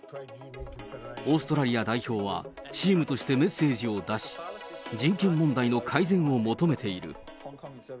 オーストラリア代表はチームとしてメッセージを出し、人権問題の改善を求めている。